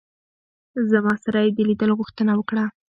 زما سره یې د لیدلو غوښتنه وکړه.